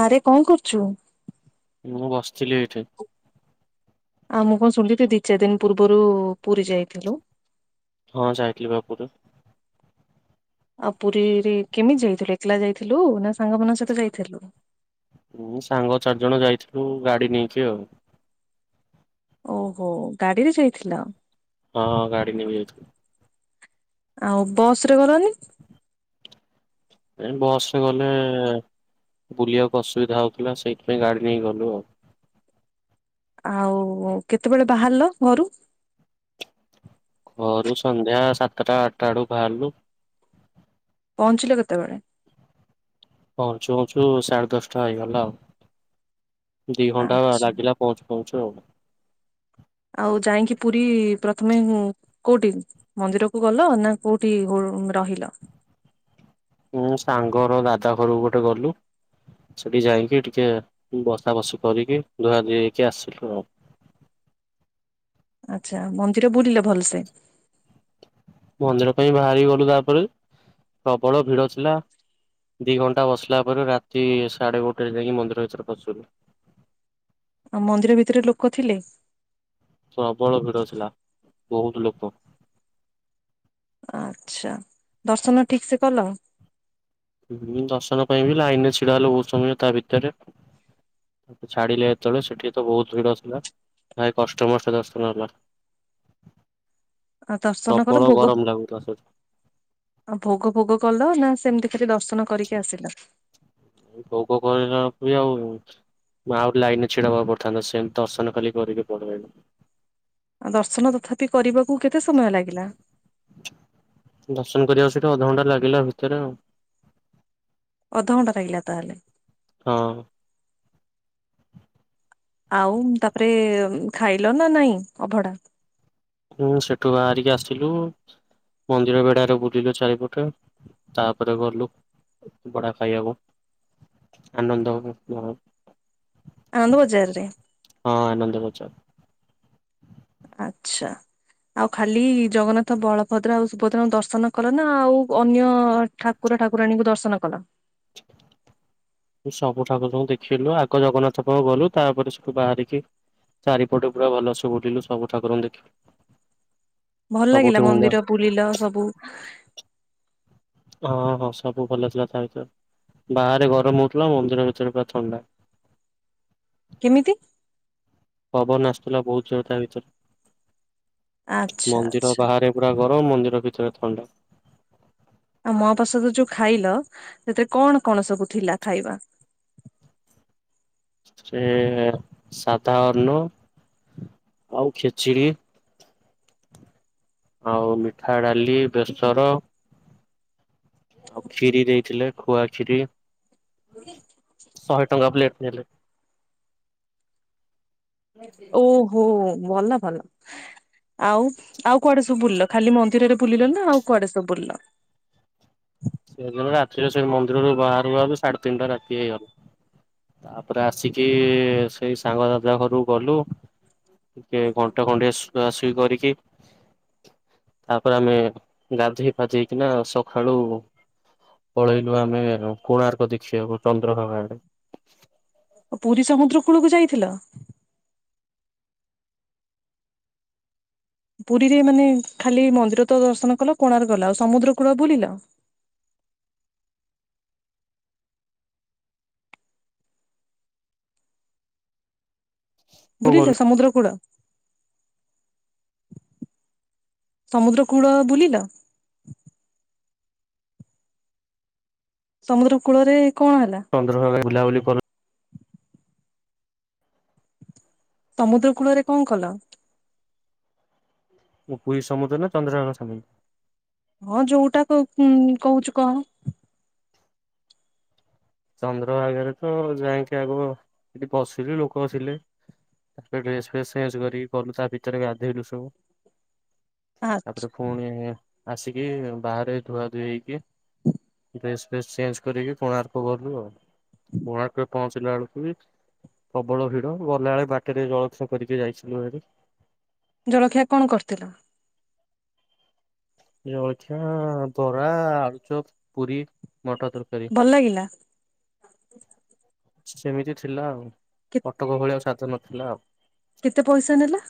ଆରେ କଣ କରୁଚୁ? ମୁଁ ବସିଥିଲି ଏଇଠି। ଆଉ ମୁଁ କଣ ଶୁଣିଲିି ଦି ଚାରି ଦିନ ପୂର୍ବରୁ ପୁରୀ ଯାଇଥିଲୁ। ହଁ ଯାଇଥିଲିବା ପୁରୀ। ଆଉ ପୁରୀ ରି କେମିତି ଯାଇଥିଲୁ ଏକଲା ଯାଇଥିଲୁ ନା ସାଙ୍ଗମାନଙ୍କ ସହିତ ଯାଇଥିଲୁ। ସାଙ୍ଗ ଚାରି ଜଣ ଯାଇଥିଲୁ ଗାଡି ନେଇକି ଆଉ। ଓହୋ ଗାଡିରେ ଯାଇଥିଲ। ହଁଁ, ଗାଡି ନେଇକି ଯାଇଥିଲୁ। ଆଉ ବସ୍ ରେ ଗଲନି। ଏ ବସରେ ଗଲେ ବୁଲିବାକୁ ଅସୁବିଧା ହଉଥିଲା ସେଇଥିପାଇଁ ଗାଡ଼ି ନେଇକି ଗଲୁ ଆଉ। ଆଉ କେତେବେଳେ ବାହାରିଲ ଘରୁ? ଘରୁ ସନ୍ଧ୍ୟା ସାତଟା ଆଠଟା ବେଳୁ ବାହାରିଲୁ। ପହଞ୍ଚିଲ କେତେବେଳେ? ପହଞ୍ଚୁ ପଞ୍ଚୁ ସାଢେ ଦଶଟା ହେଇଗଲା ଆଉ। ଦି ଆ- ଘଣ୍ଟା ଲାଗିଲା। ପହଞ୍ଚ ପହଞ୍ଚୁ ଆଉ। ଆଉ ଯାଇଁକି ପୁରୀ ପ୍ରଥମେ କୋଉଠି? ମନ୍ଦିର କୁ ଗଲ ନା କୋଉଠି ରହିଲ? ମୁଁ ସାଙ୍ଗର ଦାଦା ଘରକୁ ଗୋଟେ ଗଲୁ। ସେଠି ଯାଇକି ଟିକେ ବସା ବସି କରିକି ଧୁଆଧୁଇ ହେଇକି ଆସିଲୁ ଆଉ। ଆଚ୍ଛା, ମନ୍ଦିର ବୁଲିଲ ଭଲସେ? ମନ୍ଦିର ପାଇଁ ବାହାରି ଗଲୁ ତାପରେ, ପ୍ରବଳ ଭିଡ ଥିଲା। ଦିଘଣ୍ଟା ବସିଲା ପରେ ରାତି ସାଢ଼େ ଗୋଟାଏରେ ଯାଇକି ମନ୍ଦିର ଭିତରେ ପସିଲୁ। ଆଉ ମନ୍ଦିର ଭିତରେ ଲୋକ ଥିଲେ। ପ୍ରବଳ ଭିଡ ଥିଲା, ବହୁତ ଲୋକ। ଆଚ୍ଛା, ଦର୍ଶନ ଠିକସେ କଲ? ହୁଁ ଦର୍ଶନ ପାଇଁ ବି ଲାଇନ୍ ରେ ଛିଡା ହେଲୁ ବହୁତ ସମୟ ତା ଭିତରେ। ଛାଡିଲେ ଯେତେବେଳେ ସେଠିତ ବହୁତ ଭିଡ ଥିଲା, ଭାରି କଷ୍ଟେ ମଷ୍ଟେ ଦର୍ଶନ ହେଲା। ଆଉ ଦର୍ଶନ ପ୍ରବଳ କଲ ଭୋଗ ଗରମ ଲାଗୁଥିଲା ସେଠି ଆଉ ଭୋଗ ଫୋଗ କଲ ନା ସେମିତି ଖାଲି ଦର୍ଶନ କରିକି ଆସିଲ। ଭୋଗ [unintelligible] ଆଉ ନା ଆହୁରି ଲାଇନ୍ ରେ ଛିଡାହେବାକୁ ପଡିଥାନ୍ତା ସେମତି ଦର୍ଶନ ଖାଲି କରିକି ପଳିଆଇଲୁ। ଆ ଦର୍ଶନ ତଥାପି କରିବାକୁ କେତେ ସମୟ ଲାଗିଲା? ଦର୍ଶନ କରିବାକୁ ସେଠୁ ଅଧଘଣ୍ଟା ଲାଗିଲା ଭିତରେ ଆଉ। ଅଧଘଣ୍ଟା ଲାଗିଲା ତାହେଲେ। ହଁ। ଆଉ ତାପରେ ଖାଇଲ ନା ନାଇଁ ଅଭଡା। ପୁଣି ସେଠୁ ବାହାରିକି ଆସିଲୁ। ମନ୍ଦିର ବେଢ଼ାରେ ବୁଲିଲୁ ଚାରିପଟେ ତାପରେ ଗଲୁ। ଅଭଡ଼ା ଖାଇବାକୁ ଆନନ୍ଦ ଆନନ୍ଦ ବଜାରରେ। ହଁ ଆନନ୍ଦ ବଜାର। ଆଚ୍ଛା। ଆଉ ଖାଲି ଜଗନ୍ନାଥ ବଳଭଦ୍ର ଆଉ ସୁଭଦ୍ରାଙ୍କୁ ଦର୍ଶନ କଲ ନା ଆଉ ଅନ୍ୟ ଠାକୁର ଠାକୁରାଣୀଙ୍କୁ ଦର୍ଶନ କଲ। ସବୁ ଠାକୁରଙ୍କୁୁ ଦେଖିଲୁ, ଆଗ ଜଗନ୍ନାଥ ପାଖକୁ ଗଲୁ ତାପରେ ସେଠୁ ବାହାରିକି ଚାରିପଟେ ପୁରା ଭଲସେ ବୁଲିଲୁ, ସବୁ ଠାକୁରଙ୍କୁ ଦେଖିଲୁ। ଭଲ ସବୁଠି ଲାଗିଲା ମୁଣ୍ଡ ମନ୍ଦିର ବୁଲିଲ ସବୁ। ହଁ ହଁ, ସବୁ ଭଲ ଥିଲା ତା ଭିତରେ। ବାହାରେ ଗରମ ହଉଥିଲା ମନ୍ଦିର ଭିତରେ ପୁରା ଥଣ୍ଡା। କେମିତି ପବନ ଆସୁଥିଲା ବହୁତ ଜୋର ତା ଭିତରେ ଆଚ୍ଛା ମନ୍ଦିର ଆଚ୍ଛା। ବାହାରେ ପୁରା ଗରମ ମନ୍ଦିର ଭିତରେ ଥଣ୍ଡା ଆଉ ମ ପ୍ରସାଦ ଯୋଉ ଖାଇଲ ସେଥିରେ କଣ କଣ ସବୁ ଥିଲା ଖାଇବା ସେ ସାଧା ଅନ୍ନ ଆଉ ଖେଚିଡ଼ି ଆଉ ମିଠା ଡାଲି ବେସର ଆଉ ଖିରି ଦେଇଥିଲେ ଖୁଆ ଖିରି ହୁ ଶହେ ଟଙ୍କା ପ୍ଲେଟ ହେଲେ ଓହୋ ଭଲ ଭଲ ଆଉ ଆଉ କୁଆଡେ ସବୁ ବୁଲ ଖାଲି ମନ୍ଦିରରେ ବୁଲିଲ ନା ଆଉ କୁଆଡେ ସବୁ ବୁଲ ସେଦିନ ରାତିରେ ସେଇ ମନ୍ଦିରୁ ବାହାରହୁ ସାଢ଼େ ତିନିଟା ରାତି ହେଇଗଲ ତାପରେ ଆସିକି ସେଇ ସାଙ୍ଗ ଦାଜ ଘରକୁ ଗଲୁ ଟିକେ ଘଣ୍ଟା ଖଣ୍ଡିଆ ଶୁଆ ଶୁଇ କରିକି ତାପରେ ଆମେ ଗାଧୋଇ ଫାଧେଇକିନା ସକାଳୁ ପଳେଇଲୁ ଆମେ କୋଣାର୍କ ଦେଖିବାକୁ ଚନ୍ଦ୍ରଭାଗାରେ ପୁରୀ ସମୁଦ୍ର କୂଳକୁ ଯାଇଥିଲ ପୁରୀରେ ମାନେ ଖାଲି ମନ୍ଦିର ତ ଦର୍ଶନ କଲ କୋଣାରେ ଗଲା ଆଉ ସମୁଦ୍ର କୂଳ ବୁଲିଲ ବୁଲିଲେ ଗଲୁ ସମୁଦ୍ର କଡ ସମୁଦ୍ର କୂଳ ବୁଲିଲ ସମୁଦ୍ର କୂଳ ରେ କଣ ହେଲା ଚନ୍ଦ ସମୁଦ୍ର କୂଳରେ କଣ କଲ ଓ ପୁରୀ ସମୁଦ୍ର ନା ଚନ୍ଦ୍ରଗାନ ସମାମ ହଁ ଯୋଉଟା କହୁଛୁ କହ ଚନ୍ଦ୍ରଭାଗରେ ତ ଯାଇକି ଆଗ ଏଠି ବସିଲି ଲୋକ ବସିଲେ ତାପରେ ଡ୍ରେସ ଫସ କଲୁ ତା ଭିତରେ ଗାଧୋଇଲୁ ସବୁ ଆ ତାପରେ ପୁଣି ଆସିକି ବାହାରେ ଧୁଆ ଧୁଇ ହେଇକି ହ ଫସ୍ ଫେସ୍ ଚେଞ୍ଜ କରିକି କୋଣାର୍କ ଗଲୁ ଆଉ କୋଣାର୍କ ପହଞ୍ଚିଲା ବେଳକୁ ବି ପ୍ରବଳ ଭିଡ଼ ଗଲାବେେଳେ ବାଟରେ ଜଳଖ କରିକି ଯାଇଥିଲୁ ଭରି ଜଳଖିଆ କଣ କରିଥିଲା ଜଳଖିଆ ବରା ଆଳୁଚପ ପୁରୀ ମଟର ତରକାର ଭଲ ଲାଗିଲା ସେମିତି ଥିଲା ଆଉ କଟକ ଭଳିଆ ସାଧ ନଥିଲା ଆଉ କେତେ ପଇସା ନେଲା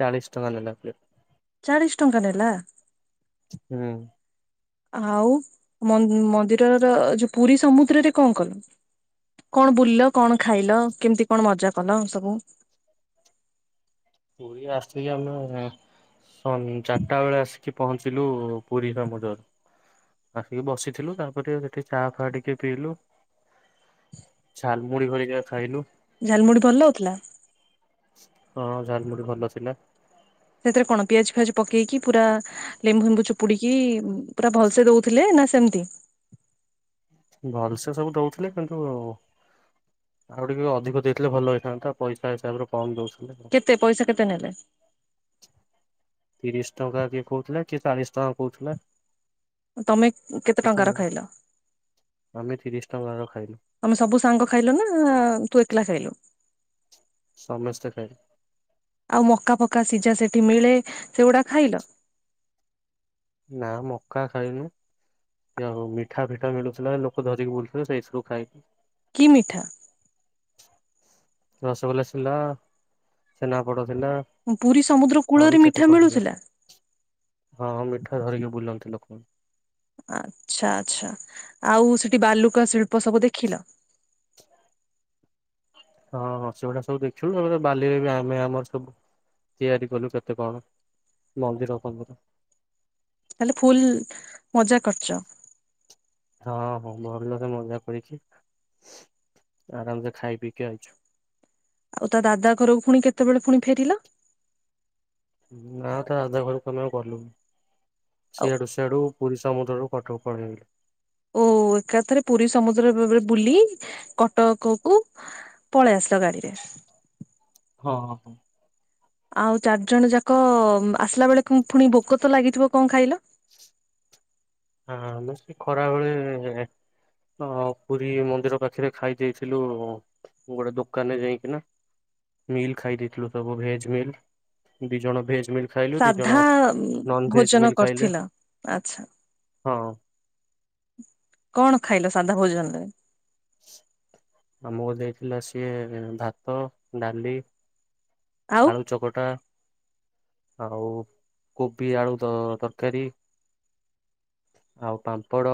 ଚାଳ ଷ୍ଟ ନାନଲା ଚାଳିଶ ଟଙ୍କା ନେଲା ହୁଁ ଆଉ ମନ୍ଦିରର ଯୋଉ ପୁରୀ ସମୁଦ୍ରରେ କଣ କଲ କଣ ବୁଲିଲ କଣ ଖାଇଲ କେମିତି କଣ ମଜା କଲ ସବୁ ପୁରୁରୀ ଆସିକି ଆମେ ଚାରିଟା ବେଳେ ଆସ କିଛି ପହଞ୍ଚିଲୁ ପୁରୀ ସମୁଦର ଆସିକି ବସିଥିଲୁ ତାପରେ ସେଠି ଚା ଫା ଟିକେ ପିଇଲୁ ଝାଲମୁଢ ଭଳିିକା ଖାଇଲୁ ଝାଲମୁଢି ଭଲ ଲାଗଥିଲା? ହଁ, ଝାଲମୁଢ଼ି ଭଲ ଥିଲା। ସେଥିରେ କଣ ପିଆଜ ଫିଆଜ ପକେଇକି ପୁରା ଲେମ୍ବୁ ଫେମ୍ବୁ ଚୁପୁଡିକି ପୁରା ଭଲସେ ଦଉଥିଲେ ନା ସେମତି? ଭଲସେ ସବୁ ଦଉଥିଲେ କିନ୍ତୁ ଆଉ ଟିକେ ଅଧିକ ଦେଇଥିଲେ ଭଲ ହେଇଥାନ୍ତା ପଇସା ହିସାବରେ କମ ଦଉଛନ୍ତି। କେତେ ପଇସା କେତେ ନେଲେ? ତିରିଶ ଟଙ୍କା କିଏ କହୁଥିଲେ କିଏ ଚାଳିଶ ଟଙ୍କା କହୁଥିଲା। ତମେ କେତେ ଟିକେ ଟଙ୍କା ର ଖାଇଲ? ଆମେ ତିରିଶ ଟଙ୍କାର ଖାଇଲୁ। ତମେ ସବୁ ସାଙ୍ଗ ଖାଇଲ ନା ତୁ ଏକଲା ଖାଇଲୁ? ସମସ୍ତେ ଖାଇଲୁ। ଆଉ ମକା ଫକା ସିଝା ସେଠି ମିଳେ ସେଗୁଡା ଖାଇଲ। ନା ମକା ଖାଇନୁ। ଜା ଆଉ ମିଠା ଫିଠା ମିଳୁଥିଲା ଲୋକ ଧରିକି ବୁଲୁଥିଲେ ସେଇ ସବୁ ଖାଇଲୁ। କି ମିଠା? ରସଗୋଲା ଥିଲା ଛେନା ପୋଡ଼ ଥିଲା। ପୁରୀ ସମୁଦ୍ର ଆହୁରି କୂଳରେ କେତେ ମିଠା କଣ ଥିଲା ମିଳୁଥିଲା? ହଁ, ମିଠା ଧରିକି ବୁଲନ୍ତି ଲୋକମା। ଆଚ୍ଛା ଆଛା ଆଉ ସେଠି ବାଲୁକା ଶିଳ୍ପ ସବୁ ଦେଖିଲ? ହଁ ହଁ ସେଗୁଡା ସବୁ ଦେଖିଲୁ ଏ ବାଲିରେ ବି ଆମେ ଆମର ସବୁ। ତିଆରି କଲୁ କେତେ କଣ ମନ୍ଦିର ଫନ୍ଦିର। ତା ହେଲେ ଫୁଲ ମଜା କରିଚ୍। ହଁ ହଁ ଭଲ ଭଲ ରେ ମଜା କରିକି ଆରାମସେ ଖାଇ ପିଇକି ଆଇଛୁ। ଆଉ ତା ଦାଦା ଘରକୁ ପୁଣି କେତେବେଳେ ପୁଣି ଫେରିଲ। ନା ତା ଦାଦା ଘରକୁ ଆଉ ଗଲୁନି ଆଉ ସିଆଡୁ ସିଆ ସେଆଡୁ ପୁରୀ ସମୁଦ୍ରରୁୁ କଟକ ପଳେଇଲୁ। ଓ ହୋ ଏକାଥରେ ପୁରୀ ସମୁଦ୍ର ଭରେ ବୁଲି କଟକ କୁ ପଳେଇ ଆସିଲ ଗାଡିରେ। ହଁ ହଁ। ଆଉ ଚାରିଜଣ ଯାକ ଆସିଲା ବେଳେ ପୁଣି ଭୋକ ତ ଲାଗିଥିବ କଣ ଖାଇଲ? ହଁ ଆମେ ସେ ଖରା ବେଳେ ହ ପୁରୀ ମନ୍ଦିର ପାଖରେ ଖାଇ ଦେଇାଇଥିଲୁ ଗୋଟେ ଦୋକାନରେ ଯାଇକି ନା। ମିଲ୍ ଖାଇ ଦେଇଥିଲୁ ସବୁ ଭେଜ ମିଲ୍ ଦି ଜଣ ଭେଜ ମିଲ୍ ଖାଇଲୁ ଦି ଜଣ ସାଧା ନନ ଭେଜ ଭୋଜନ ମିଲ୍ ଖାଇଲେ କରିଥିଲ ଆଛା। ହଁ। କଣ ଖାଇଲ ସାଧା ଭୋଜନରେ? ଆମକୁ ଦେଇଥିଲା ସିଏ ଭାତ ଡାଲି ଆଉ ଆଳୁ ଚକଟା ଆଉ କୋବି ଆଳୁ ତ ତରକାରୀ ଆଉ ପାମ୍ପଡ଼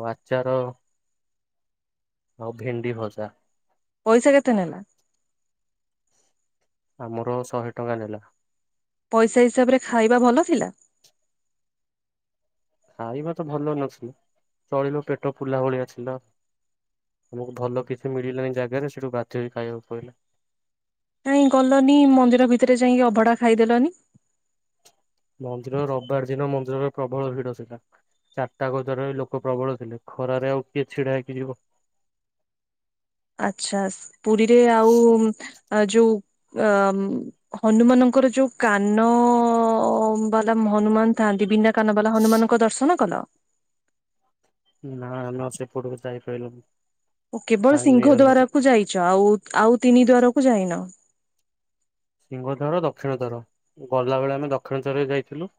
ଆଉ ଆଚାର ଆଉ ଭିଣ୍ଡି ଭଜା। ପଇସା କେତେ ନେଲା? ଆମର ଶହେ ଟଙ୍କା ନେଲା। ପଇସା ହିସାବ ରେ ଖାଇବା ଭଲ ଥିଲା? ଖାଇବ ତ ଭଲ ମାଛ ନା। ଚଳିଲ ପେଟ ଫୁଲା ଭଳିଆ ଛେଲ। ଆମକୁ ଭଲ କିଛି ମିଳିଲାନି ଜାଗାରେ ସେଠୁ ବାଧ ହୋଇ ଖାଇବାକୁ ପଇଲା। କାଇଁ ଗଲନି ମନ୍ଦିର ଭିତରେ ଯାଇଁ ଅଭଢା ଖାଇଦେଲନି? ମନ୍ଦିର ରବିବାର ଦିନ ମନ୍ଦିରରେ ପ୍ରବଳ ଭିଡ ଥିଲା। ଚାରିଟା ଗଜରରେ ଲୋକ ପ୍ରବଳ ଥିଲେ। ଖରାରେ ଆଉ କିଏ ଛିଡା ହେଇକି ଯିବ? ଆଚ୍ଛା। ପୁରୀରେ ଆଉ ଯୋଉ ଅ ହନୁମାନଙ୍କର ଯୋଉ କାନ ଓ ବାଲା ହନୁମାନ ଥାଆନ୍ତି। ବିନା କାନ ବାଲା ହନୁମାନଙ୍କ ଦର୍ଶନ କଲ। ନା ଆମେ ସେପଟକୁ ଯାଇପାଇଲୁନି। ଓ କେବଳ ସିଂହ ଦ୍ୱାରକୁ ଯାଇଚ। ଆଉ ଆଉ ତିନି ଦ୍ଵାରକୁ ଯାଇନ। ସିଂହ ଦ୍ୱାର ଦକ୍ଷିଣ ଦ୍ୱାର ଗଲାବେଳେ ଆମେ ଦକ୍ଷିଣ ଦ୍ୱାରରେ ଯାଇଥିଲୁ।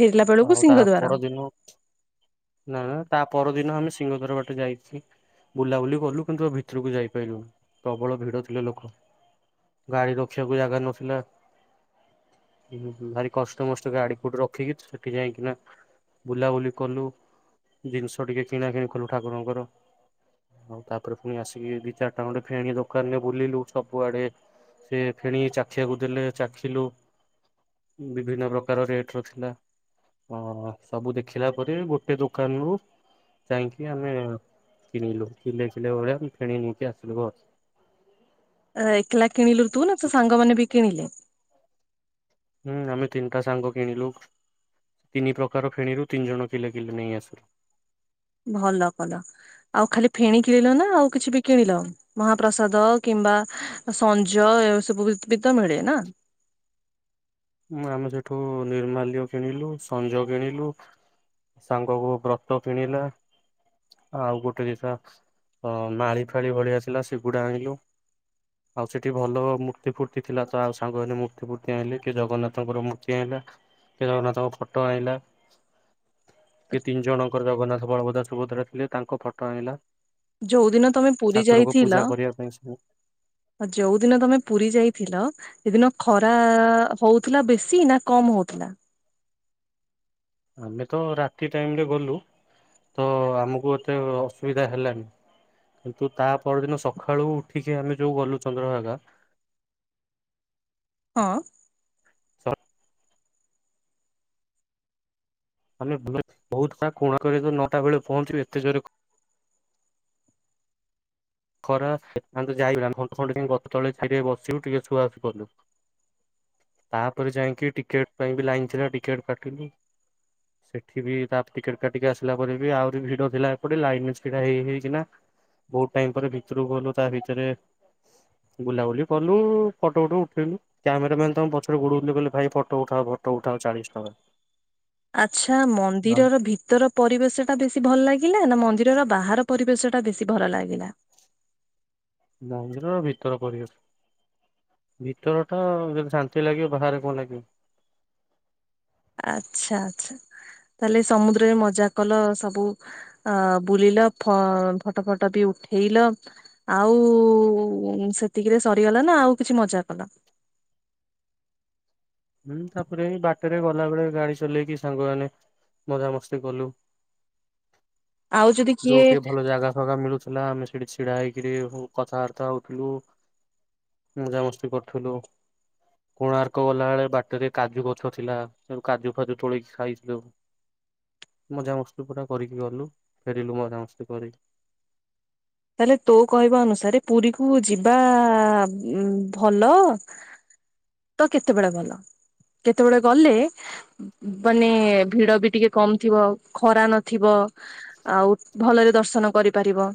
ଫେରିଲା ବେଳକୁ ଆଉ ତା ସିଂହ ଦ୍ୱାର। ପରଦିନ ନା ନା ତା ପରଦିନ ଆମେ ସିଂହ ଦ୍ୱାର ବାଟେ ଯାଇଥିଲି। ବୁଲାବୁଲି କଲୁ କିନ୍ତୁ ତା ଭିତରକୁ ଯାଇପାଇଲୁନୁ, ପ୍ରବଳ ଭିଡ ଥିଲେ ଲୋକ। ଗାଡି ରଖିବାକୁ ଜାଗା ନ ଥିଲା। ଉଁ ହୁଁ। ଭାରି କଷ୍ଟମଷ୍ଟେ ଗାଡି କୋଉଠି ରଖିକି ସେଠି ଯାଇକି ନା ବୁଲାବୁଲି କଲୁ। ଜିନିଷ ଟିକେ କିଣା କିିଣି କଲୁ ଠାକୁରଙ୍କର। ଆଉ ତା ପରେ ପୁଣି ଆସିକି ଦି ଚାରିଟା ଖଣ୍ଡେ ଫେଣି ଦୋକାନରେ ବୁଲିଲୁ। ସବୁଆଡେ ସେ ଫେଣି ଚାଖିଆକୁ ଦେଲେ ଚାଖିଲୁ। ବିଭିନ୍ନ ପ୍ରକାର ରେଟ୍ ର ଥିଲା। ହଁ ସବୁ ଦେଖିଲା ପରେ ଗୋଟେ ଦୋକାନରୁୁ ଯାଇକି ଆମେ କିଣିଲୁ। କିଲେ କିଲେ ଭଳିଆ ଆମେ ଫେଣି ନେଇକି ଆସିଲୁ ଆଉ ଏକେଲା କିଣିଲୁ ତୁ, ନା ତୋ ସାଙ୍ଗମାନେ ବି କିଣିଲେ। ହୁଁ ଆମେ ତିନିଟା ସାଙ୍ଗ କିଣିଲୁ। ତିନି ପ୍ରକାର ଫେଣିରୁ ତିନି ଜଣ କିଲେ କିଲେ ନେଇ ଆସିଲୁ। ଭଲ କଲ। ଆଉ ଖାଲି ଫେଣି କିଣିଲ ନା ଆଉ କିଛି ବି କିଣିଲ? ମହାପ୍ରସାଦ କିମ୍ବା ସଞ୍ଜ ଏ ସବୁ ବି ତ ମିଳେ ନା। ଆମେ ସେଠୁ ନିର୍ମାଲ୍ୟ କିଣିଲୁ, ସଞ୍ଜ କିଣିଲୁ। ସାଙ୍ଗକୁ ବ୍ରତ କିଣିଲା। ଆଉ ଗୋଟେ ଜିନିଷ ଅ ମାଳି ଫାଳି ଭଳିଆ ଥିଲା ସେଗୁଡା ଆଣିଲୁ। ଆଉ ସେଠି ଭଲ ମୂର୍ତ୍ତି ଫୂର୍ତ୍ତି ଥିଲା ତ ଆଉ ସାଙ୍ଗ ମାନେ ମୂର୍ତ୍ତି ଫୁର୍ତ୍ତି ଆଇଁଲେ। କିଏ ଜଗନ୍ନାଥଙ୍କର ମୂର୍ତ୍ତି ଆଇଁଲା? କିଏ ଜଗନ୍ନାଥଙ୍କ ଫଟୋ ଆଇଁଲା? କିଏ ତିନି ଜଣଙ୍କର ଜଗନ୍ନାଥ ବଳଭଦ୍ର ସୁଭଦ୍ରା ଥିଲେ ତାଙ୍କ ଫଟୋ ଆଇଁଲା? ଯୋଉଦିନ ତମେ ପୁରୀ ଯାଇଥିଲ କରିବା ପାଇଁ ସବୁ ଯୋଉ ଦିନ ତମେ ପୁରୀ ଯାଇଥିଲ। ସେଦିନ ଖରା ହଉଥିଲା ବେଶି ନା କମ୍ ହଉଥିଲା। ଆମେ ତ ରାତି ଟାଇମରେ ଗଲୁ ତ ଆମକୁ ଏତେ ଅସୁବିଧା ହେଲନି। କିନ୍ତୁ ତା ପରଦିନ ସକାଳୁ ଉଠିକି ଆମେ ଯୋଉ ଗଲୁ ଚନ୍ଦ୍ରଭାଗା। ହଁ। [unintelligible] ଆମେ ବହୁ ବହୁତ କୋଣାର୍କରେ ସେଦିନ ନଅଟା ବେଳେ ପହଞ୍ଚିଲୁ ଏତେ ଜୋରେ ଖରା ନ ହେଲେ ଯାଇଥିଲେ ଘ ଖଣ୍ଡେ ଗଛ ତଳେ ଛାଇରେ ଟିକେ ବସିବୁ ଟିକେ ଶୁଆଶୁଇ କଲୁ ତା ପରେ ଯାଇକି ଟିକେଟ ପାଇଁ ବି ଲାଇନ୍ ଥିଲା ଟିକେଟ କାଟିଲୁ। ଏଠି ବି ତା ଟିକେଟ କାଟିକି ଆସିଲା ପରେ ବି ଆହୁରି ଭିଡ ଥିଲା ଏପଟେ ଲାଇନ୍ ଛିଡା ହେଇ ହେଇକିନା ବହୁତ ଟାଇମ ପରେ ଭିତୁରକୁ ଗଲୁ ତା ଭିତେରେ ବୁଲାବୁଲି କଲୁ ଫଟୋ ଫଟ ଉଠେଇଲୁ। କ୍ୟାମେରା ମ୍ୟାନ୍‌ ତ ପଛରେ ଗୋଡ଼ଉ ଥିଲେ କହିଲେ ଭାଇ ଫଟୋ ଉଠା ଫଟୋ ଉଠାଅ ଚାଳିଶ ଟଙ୍କା। ଆଚ୍ଛା ମନ୍ଦିରର ଭିତ୍ ତର ପରିବେଶଟା ବେଶୀ ଭଲ ଲାଗିଲା ନା ମନ୍ଦିରର ବାହାର ପରିବେଶଟା ବେଶୀ ଭର ଲାଗିଲା? ନା ମନ୍ଦିମରର ଭିତର ପରିବେଶ। ଭିତରଟା ଯଦି ଶାନ୍ତି ଲାଗିବ ବାହାରେ କଁ ଲାଗିବ? ଆଚ୍ଛା ଆଚ୍ଛା ତାଲେ ସମୁଦ୍ରରେ ମଜା କଲ ସବୁ? ଆ ବୁଲିଲ ଫ ଫଟ ଫଟ ବି ଉଠେଇଲ ଆଉ ସେତିକିରେ ସରିଗଲା ନା ଆଉ କିଛି ମଜା କଲା? ହୁଁ ତାପରେ ବାଟରେ ଗଲା ବେଳେ ଗାଡି ଚଲେଇକି ସାଙ୍ଗମାନେ ମଜାମସ୍ତି କଲୁ। ଆଉ ଯଦି କିଏ ଯୋଉଟ୍ ଟିକେ ଭଲ ଜାଗା ଫାଗା ମିଳୁଥିଲା ଆମେ ସେଡି ଛିଡା ହେଇକିରି କଥାବାର୍ତ୍ତା ହଉଥିଲୁ। ମଜାମସ୍ତି କର୍ ଥିଲୁ କୋଣାର୍କ ଗଲାଏଳେ ବାଟେରେ କାଜୁ ଗଛ ଥିଲା ତେଣୁ କାଜୁ ଫାଜୁ ତୋଳେଇ ଖାଇଥିଲୁ। ମଜାମସ୍ତି ପୁରା କରିକି ଗଲୁ ଫେରିଲୁ ମଜାମସ୍ତି କରିକି ତାଲେ ତୋ କହିବା ଅନୁସାରେ ପୁରୀ କୁ ଯିବା ଉଁ ଭଲ? ତ କେତେବେଳେ ଗଲ କେତେବେଳେ ଗଲେ ବାନେ ଭିଡ ବି ଟିଗେ କମ ଥିବ ଖରା ନଥିବ ଆଉ ଭଲେରେ ଦର୍ଶନ କରିପାରିବ।